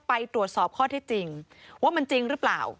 ไปตรวจสอบข้อที่จริงว่ามันจริงหรือเปล่า